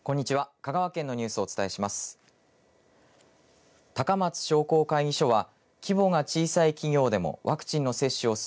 香川県のニュースをお伝えします。